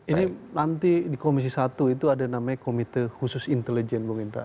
ini nanti di komisi satu itu ada namanya komite khusus intelijen bung indra